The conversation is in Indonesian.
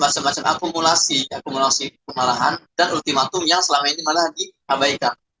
semacam akumulasi akumulasi kemarahan dan ultimatum yang selama ini malah diabaikan